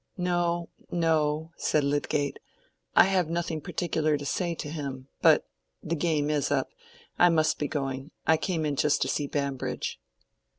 "No, no," said Lydgate; "I have nothing particular to say to him. But—the game is up—I must be going—I came in just to see Bambridge."